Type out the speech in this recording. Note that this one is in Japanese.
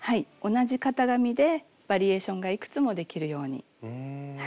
同じ型紙でバリエーションがいくつもできるように考えました。